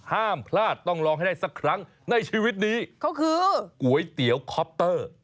ห้ามพลาดต้องลองให้ได้สักครั้งในชีวิตนี้เขาคือก๋วยเตี๋ยวคอปเตอร์